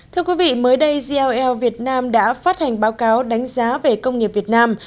thưa quý vị mới đây gl việt nam đã phát hành báo cáo đánh giá về công nghiệp việt nam